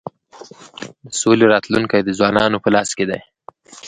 د سولی راتلونکی د ځوانانو په لاس کي دی.